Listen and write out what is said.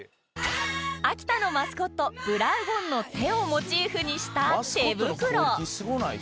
秋田のマスコットブラウゴンの手をモチーフにした手袋